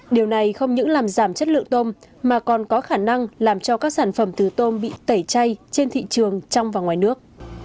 điều này không những làm giảm chất lượng tôm mà còn có khả năng làm cho các sản phẩm từ tôm bị tẩy chay trên thị trường trong và ngoài nước